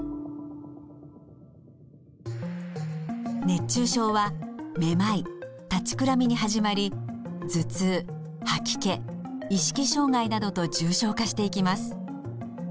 熱中症はめまい立ちくらみに始まり頭痛吐き気意識障害などと重症化していきます。